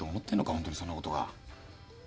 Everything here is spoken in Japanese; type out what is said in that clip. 本当にそんなことが。